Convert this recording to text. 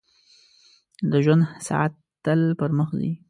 • د ژوند ساعت تل پر مخ ځي.